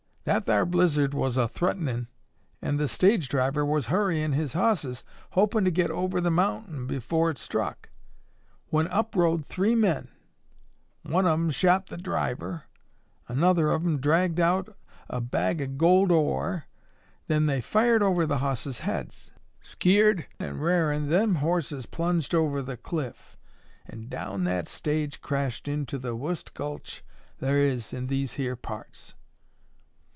That thar blizzard was a threatenin' an' the stage driver was hurryin' his hosses, hopin' to get over the mountain afore it struck, when up rode three men. One of 'em shot the driver, another of 'em dragged out a bag of gold ore; then they fired over the hosses' heads. Skeered and rarin', them hosses plunged over the cliff, an' down that stage crashed into the wust gulch thar is in these here parts.